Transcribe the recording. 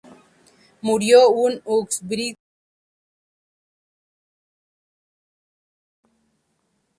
Murió en Uxbridge y fue enterrado en Cowley, Middlesex.